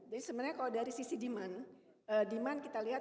jadi sebenarnya kalau dari sisi demand demand kita lihat